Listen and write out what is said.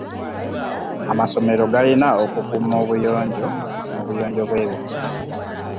Amasomero galina okukuuma obuyonjo n'obuyonjo bw'ebifo.